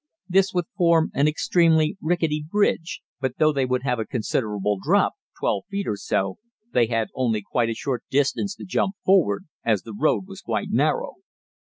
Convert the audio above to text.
This would form an extremely rickety bridge, but though they would have a considerable drop, 12 feet or so, they had only quite a short distance to jump forward, as the road was quite narrow.